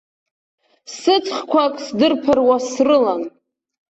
Сыҵхқәак сдырԥыруа срылан.